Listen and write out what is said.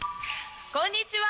こんにちは